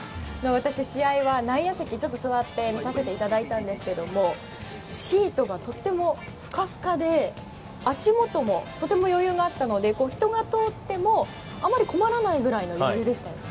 私、試合は内野席で座って見させていただいたんですがシートがとってもふかふかで足元も、とても余裕があったので人が通っても、あまり困らないぐらいの余裕でした。